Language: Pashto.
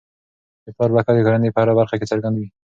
د پلار برکت د کورنی په هره برخه کي څرګند وي.